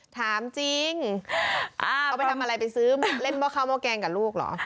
ถามจริงเขาไปทำอะไรไปซื้อเล่นหม้อข้าวหม้อแกงกับลูกเหรอ